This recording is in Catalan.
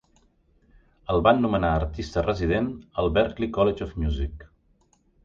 El van nomenar artista resident al Berklee College of Music.